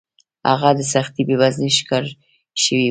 هغه د سختې بېوزلۍ ښکار شوی و